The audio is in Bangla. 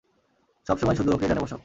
সবসময় শুধু ওকেই ডানে বসাও।